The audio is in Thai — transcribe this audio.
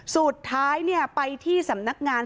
สุดท้ายไปที่สำนักงาน